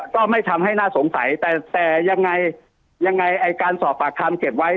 ก็ไม่ทำให้น่าสงสัยแต่แต่ยังไงยังไงไอ้การสอบปากคำเก็บไว้